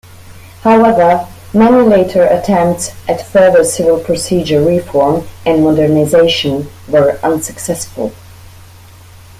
However, many later attempts at further civil procedure reform and modernization were unsuccessful.